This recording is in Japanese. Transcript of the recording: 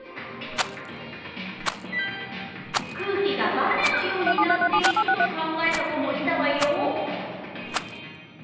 空気がばねのようになっていると考えた子もいたわよ。